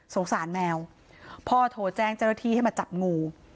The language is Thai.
สารแมวพ่อโทรแจ้งเจ้าหน้าที่ให้มาจับงู